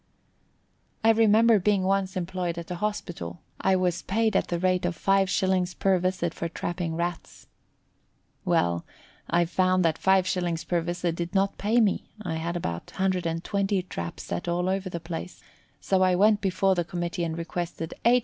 I remember being once employed at a hospital, and I was paid at the rate of 5s. per visit for trapping Rats. Well, I found that 5s. per visit did not pay me (I had about 120 traps set all over the place), so I went before the committee and requested 8s.